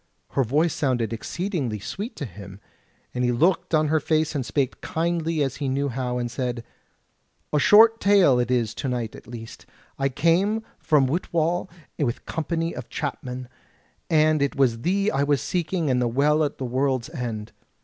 Her voice sounded exceeding sweet to him, and he looked on her face and spake as kindly as he knew how, and said: "A short tale it is to night at least: I came from Whitwall with a Company of Chapmen, and it was thee I was seeking and the Well at the World's End.